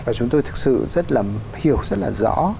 và chúng tôi thực sự hiểu rất là rõ